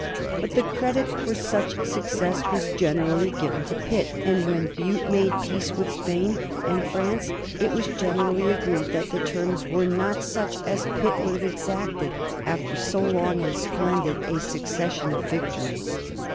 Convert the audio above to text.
But the credit for such success was generally given to Pitt, and when Bute made peace with Spain and France it was generally felt that the terms were not such as Pitt would have exacted after so long and splendid a succession of victories.